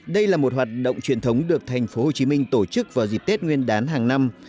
đây là một hoạt động truyền thống được tp hcm tổ chức vào dịp tết nguyên đán hàng năm